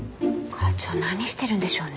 課長何してるんでしょうね？